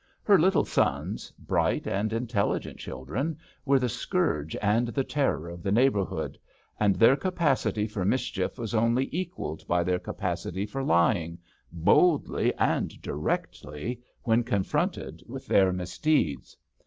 Her little sons, bright and intelligent chil dren, were the scourge and the terror of the neighbourhood, and their capacity for mischief was only equalled by their capacity for lying — boldly and direcdy — when con fronted with their misdeeds.